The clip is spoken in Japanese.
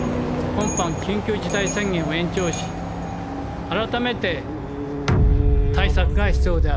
今般緊急事態宣言を延長し改めて対策が必要である。